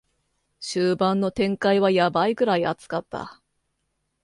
終盤の展開はヤバいくらい熱かった